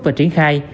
và triển khai